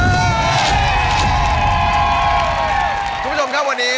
คุณผู้ชมครับวันนี้